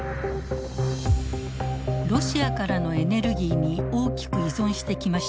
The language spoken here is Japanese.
ロシアからのエネルギーに大きく依存してきましたが